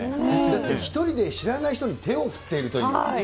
だって、１人で知らない人に手を振っているという。